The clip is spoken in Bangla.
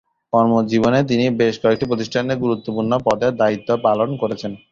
কর্মজীবনে তিনি বেশ কয়েকটি প্রতিষ্ঠানের গুরুত্বপূর্ণ পদে দায়িত্ব পালন করেছেন।